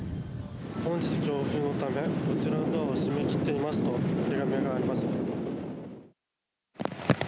本日強風のためこちらのドアを閉め切っていますと貼り紙があります。